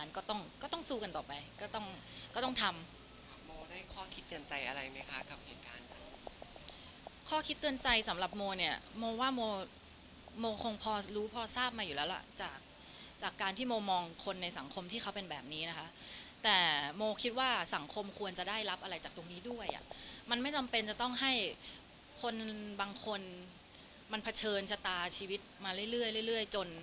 ก็ต้องก็ต้องสู้กันต่อไปก็ต้องก็ต้องทำโมได้ข้อคิดเตือนใจอะไรไหมคะกับเหตุการณ์แบบข้อคิดเตือนใจสำหรับโมเนี่ยโมว่าโมโมคงพอรู้พอทราบมาอยู่แล้วล่ะจากจากการที่โมมองคนในสังคมที่เขาเป็นแบบนี้นะคะแต่โมคิดว่าสังคมควรจะได้รับอะไรจากตรงนี้ด้วยอ่ะมันไม่จำเป็นจะต้องให้คนบางคนมันเผชิญชะตาชีวิตมาเรื่อยเรื่อยจน